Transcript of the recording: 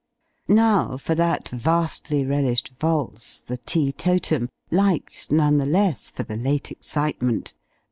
Now, for that vastly relished valse, the "Teetotum" liked none the less for the late excitement!